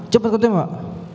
cepat kau tembak